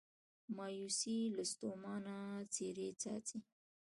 مایوسي یې له ستومانه څیرې څاڅي